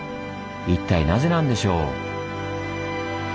一体なぜなんでしょう？